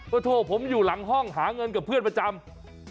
ก็โถผมอยู่หลังห้องหาเงินกับเพื่อนประจำ